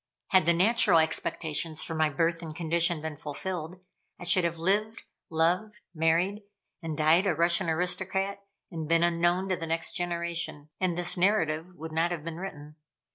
Had the natural expectations for my birth and condition been fulfilled, I should have lived, loved, married and died a Russian aristocrat, and been unknown to the next generation and this narrative would not have been written.